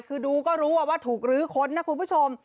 คือดูก็รู้ว่าถูกลื้อค้นนะคุณผู้ชม